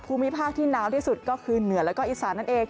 ภูมิภาคที่หนาวที่สุดก็คือเหนือและอีสาน